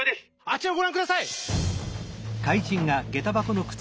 あちらをごらんください！